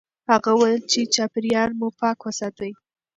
هغه وویل چې چاپیریال مو پاک وساتئ.